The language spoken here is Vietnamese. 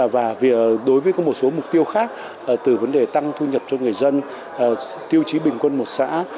và đối với có một số mục tiêu khác từ vấn đề tăng thu nhập cho người dân tiêu chí bình quân một xã